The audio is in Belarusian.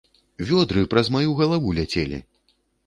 Вёдры праз маю галаву ляцелі!